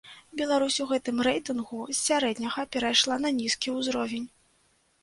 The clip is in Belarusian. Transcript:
Беларусь у гэтым рэйтынгу з сярэдняга перайшла на нізкі ўзровень.